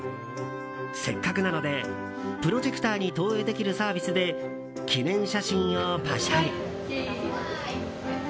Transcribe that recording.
せっかくなのでプロジェクターに投影できるサービスで記念写真をパシャリ。